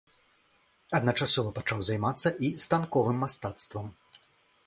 Адначасова пачаў займацца і станковым мастацтвам.